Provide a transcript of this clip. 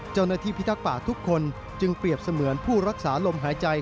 พิทักษ์ป่าทุกคนจึงเปรียบเสมือนผู้รักษาลมหายใจ